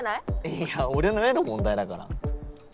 いや俺の絵の問題だから。